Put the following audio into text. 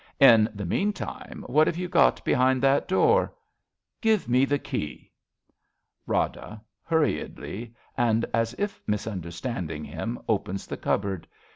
In the meantime, what have you got behind that door? Give me the key. Rada {hurriedly, and as if misunder standing him,, opens the cupboard.